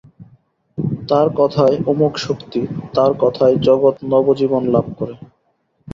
তাঁর কথায় অমোঘ শক্তি, তাঁর কথায় জগৎ নবজীবন লাভ করে।